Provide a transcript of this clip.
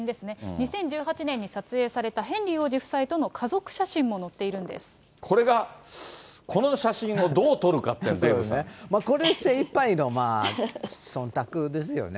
２０１８年に撮影されたヘンリー王子夫妻との家族写真も載っていこれが、この写真をどう取るかっていうのは、これ、精いっぱいのそんたくですよね。